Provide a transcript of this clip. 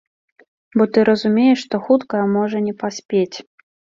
Бо ты разумееш, што хуткая можа не паспець.